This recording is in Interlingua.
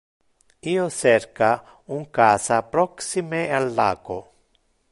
Io cerca un casa proxime al laco.